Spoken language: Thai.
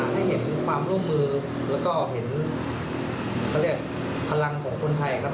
ให้เห็นความร่วมมือแล้วก็เห็นเขาเรียกพลังของคนไทยครับ